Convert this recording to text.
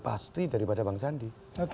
pasti daripada bang sandi